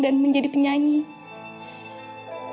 lagi dengan seseorang yang belum zien